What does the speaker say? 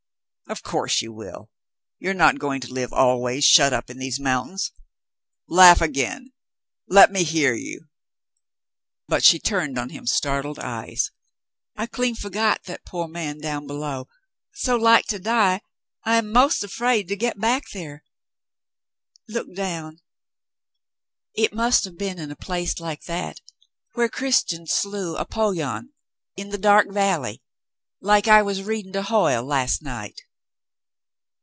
"Of course you will. You are not going to live always shut up in these mountains. Laugh again. Let me hear you." But she turned on him startled eyes. *'I clean forgot that poor man down below, so like to die I am 'most afraid to get back there. Look down. It must have been in a place like that where Christian slew Apollyon in the dark valley, like I was reading to Hoyle last night."